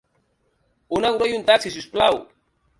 Una grua i un taxi si us plau.